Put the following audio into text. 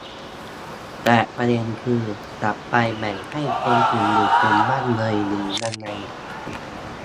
แต่ประเด็นคือ จะไปแบ่งให้คนกลุ่มอื่นเป็นบ้างเลยหรือยังไง